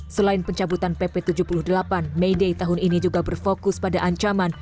selain pencabutan pp tujuh puluh delapan may day tahun ini juga berfokus pada ancaman